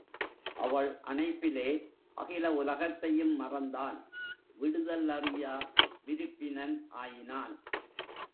அவள் அணைப்பிலே அகில உலகத்தையும் மறந்தான் விடுதல் அறியா விருப்பினன் ஆயினான்.